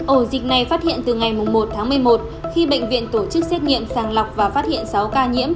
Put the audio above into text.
ổ dịch này phát hiện từ ngày một tháng một mươi một khi bệnh viện tổ chức xét nghiệm sàng lọc và phát hiện sáu ca nhiễm